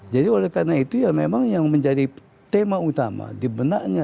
jadi karena itu memang yang menjadi tema utama di benaknya